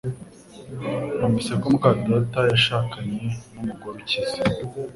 Numvise ko muka data yashakanye numugore ukize